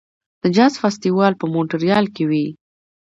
د جاز فستیوال په مونټریال کې وي.